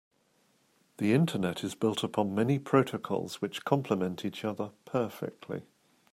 The internet is built upon many protocols which compliment each other perfectly.